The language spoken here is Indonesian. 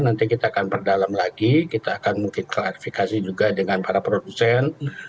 nanti kita akan berdalam lagi kita akan mungkin klarifikasi juga dengan para produsen